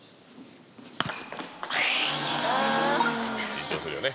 緊張するよね